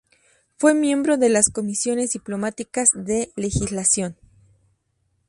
Fue miembro de las comisiones diplomáticas de legislación.